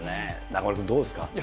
中丸君、どうですか？